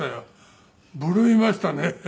ぶるいましたね。